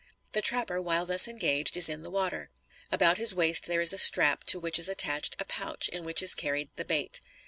The trapper, while thus engaged, is in the water. About his waist there is a strap to which is attached a pouch in which is carried the bait.